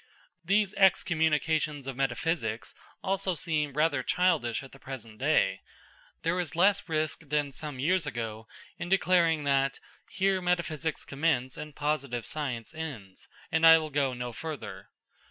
These excommunications of metaphysics also seem rather childish at the present day. There is less risk than some years ago in declaring that: "Here metaphysics commence and positive science ends, and I will go no further."